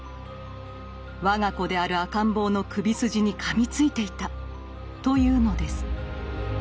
我が子である赤ん坊の首筋にかみついていたというのです。